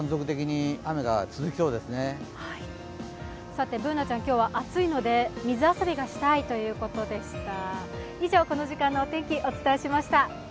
さてＢｏｏｎａちゃん今日は暑いので水遊びがしたいということでした。